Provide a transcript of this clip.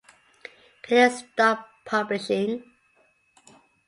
Kelly stopped publishing.